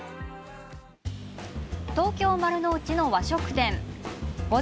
東京・丸の内の和食店。